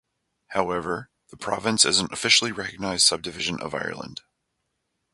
However, the province is an officially recognised subdivision of Ireland.